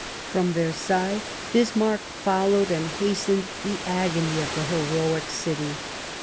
From Versailles Bismarck followed and hastened the agony of the heroic city.